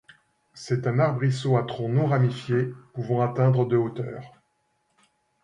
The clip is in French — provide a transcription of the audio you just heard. C'est un arbrisseau à tronc non ramifié, pouvant atteindre de hauteur.